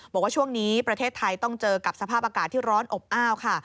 บอกว่าช่วงนี้ประเทศไทยต้องเจอกับสภาพอากาศที่ร้อนอบอ้าวค่ะ